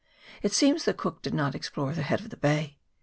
It seems that Cook did not explore the head of the bay.